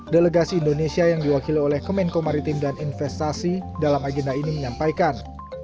delegasi indonesia yang diwakili oleh kemenko maritim dan investasi dalam agenda ini menyampaikan